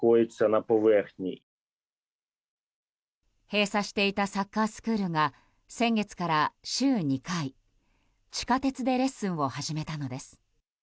閉鎖していたサッカースクールが先月から週２回、地下鉄でレッスンを始めたのです。